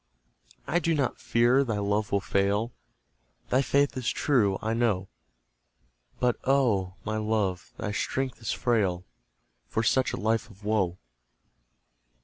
I do not fear thy love will fail; Thy faith is true, I know; But, oh, my love! thy strength is frail For such a life of woe.